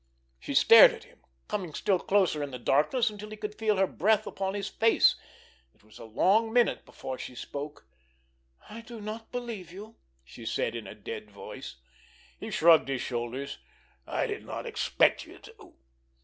She stared at him, coming still closer in the darkness until he could feel her breath upon his face. It was a long minute before she spoke. "I do not believe you!" she said in a dead voice. He shrugged his shoulders. "I did not expect you to!"